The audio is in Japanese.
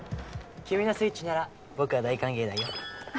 君のスイッチなら僕は大歓迎だよ。